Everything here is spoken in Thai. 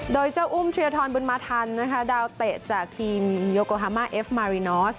โดยเจ้าอุ้มเทียทรบุญมาทันนะคะดาวเตะจากทีมโยโกฮามาเอฟมารินอส